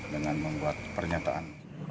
dengan membuat pernyataan